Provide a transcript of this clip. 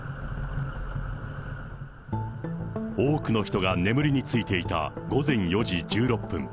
多くの人が眠りについていた午前４時１６分。